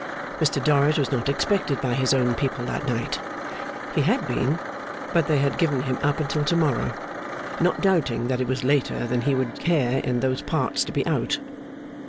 Mr Dorrit was not expected by his own people that night. He had been; but they had given him up until to morrow, not doubting that it was later than he would care, in those parts, to be out.